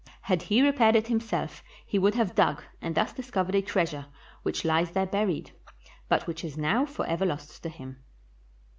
Had he repaired it himself he would have dug, and thus discovered a treasure which Ues there buried, but which is now forever lost to him.